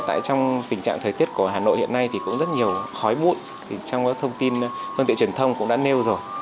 trong tình trạng thời tiết của hà nội hiện nay thì cũng rất nhiều khói bụi trong các thông tin thông tin truyền thông cũng đã nêu rồi